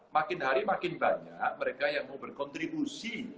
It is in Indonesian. makin hari makin banyak mereka yang mau berkontribusi